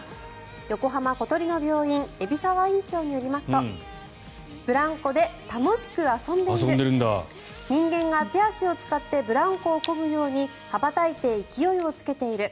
横浜小鳥の病院海老沢院長によりますとブランコで楽しく遊んでいる人間が手足を使ってブランコをこぐように羽ばたいて勢いをつけている。